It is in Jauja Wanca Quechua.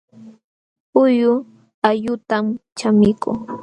Huyu allqutam chamikuu